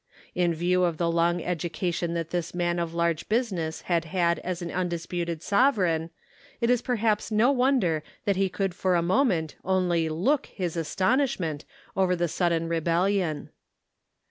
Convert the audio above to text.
In view of the long education that this man of large business had had as an un disputed sovereign, it is perhaps no wonder that he could for a moment only look his astonishment over the sudden rebellion.